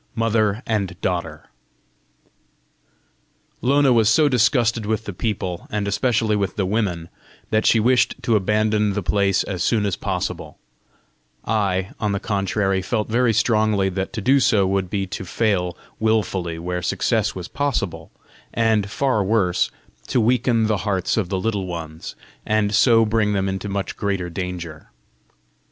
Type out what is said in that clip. MOTHER AND DAUGHTER Lona was so disgusted with the people, and especially with the women, that she wished to abandon the place as soon as possible; I, on the contrary, felt very strongly that to do so would be to fail wilfully where success was possible; and, far worse, to weaken the hearts of the Little Ones, and so bring them into much greater danger.